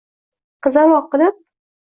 qizaloq qilib